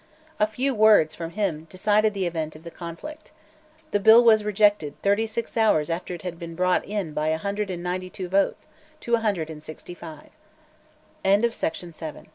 A few words from him decided the event of the conflict. The bill was rejected thirty six hours after it had been brought in by a hundred and ninety two votes to a hundred and sixty five, Even after this